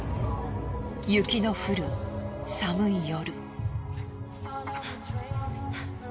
雪の降る寒い夜。